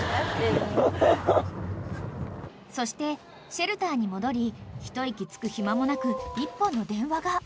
［そしてシェルターに戻り一息つく暇もなく一本の電話が］